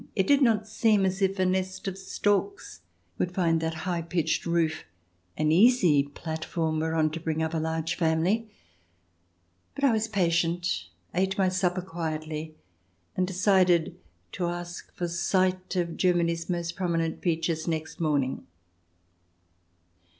It did not seem as if a nest of storks would find that high pitched roof an easy platform whereon to bring up a large family; but I was patient, ate my supper quietly, and decided to ask for sight of Germany's most prominent feature next morning.